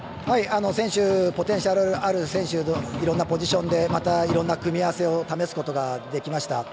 選手のポテンシャルある選手でいろんなポジションでまたいろんな組み合わせを試すことができました。